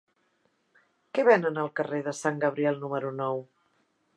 Què venen al carrer de Sant Gabriel número nou?